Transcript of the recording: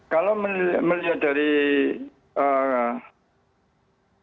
kalau melihat dari potensi